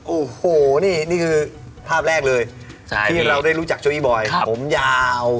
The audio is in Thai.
โอ้โหนี่นี่คือภาพแรกเลยที่เราได้รู้จักโจอีบอยผมยาว